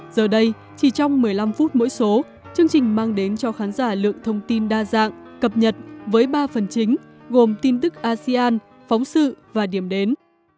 giờ đây chỉ trong một mươi năm phút mỗi số chương trình mang đến cho khán giả lượng thông tin đa dạng cập nhật với ba phần chính gồm tin tức asean phóng sự và điểm đến